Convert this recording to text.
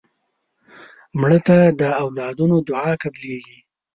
مړه ته د اولادونو دعا قبلیږي